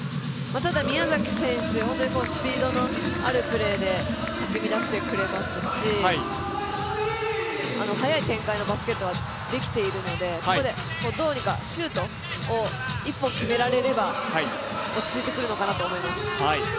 宮崎選手、本当にスピードのあるプレーでかき乱してくれますし、速い展開のバスケットができているので、どうにかシュートを一本決められれば落ち着いてくるのかなと思います。